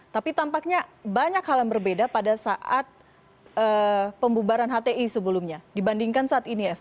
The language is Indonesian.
tapi tampaknya banyak hal yang berbeda pada saat pembubaran hti sebelumnya dibandingkan saat ini fpi